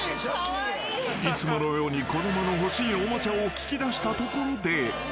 ［いつものように子供の欲しいおもちゃを聞き出したところで］